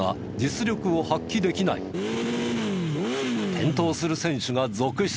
転倒する選手が続出。